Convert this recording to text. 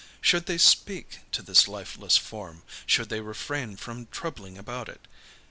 Should they speak to this lifeless form? Should they refrain from troubling about it?